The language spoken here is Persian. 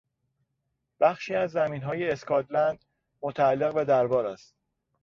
بخشی از زمینهای اسکاتلند متعلق به دربار است.